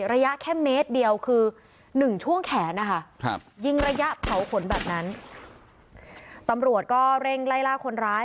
ระยะแค่เมตรเดียวคือหนึ่งช่วงแขนนะคะครับยิงระยะเผาขนแบบนั้นตำรวจก็เร่งไล่ล่าคนร้าย